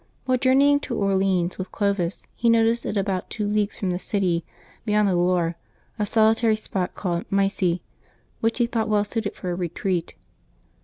While journeying to Orleans with Clovis he noticed at about two leagues from the city, beyond the Loire, a solitary spot called Micy, which he thought well suited for a retreat.